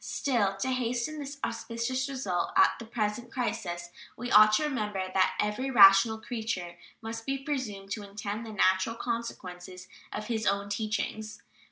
Still, to hasten this auspicious result at the present crisis we ought to remember that every rational creature must be presumed to intend the natural consequences of his own teachings.